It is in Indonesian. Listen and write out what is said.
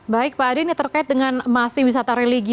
baik pak adi ini terkait dengan masih wisata religi